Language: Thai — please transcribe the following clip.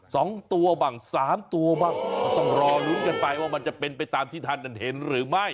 สองตัวบ้างสามตัวบ้างก็ต้องรอลุ้นกันไปว่ามันจะเป็นไปตามที่ท่านเห็นหรือไม่